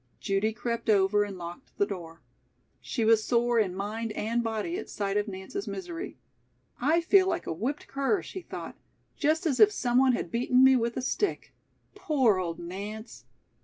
Judy crept over and locked the door. She was sore in mind and body at sight of Nance's misery. "I feel like a whipped cur," she thought. "Just as if someone had beaten me with a stick. Poor old Nance!"